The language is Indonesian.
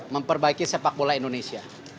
memperbaiki sepak bola indonesia